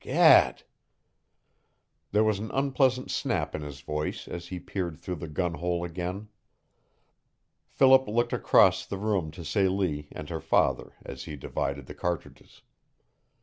GAD!" There was an unpleasant snap in his voice as he peered through the gun hole again. Philip looked across the room to Celie and her father as he divided the cartridges.